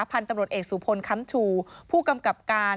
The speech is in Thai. พันธุ์ตำรวจเอกสุพลค้ำชูผู้กำกับการ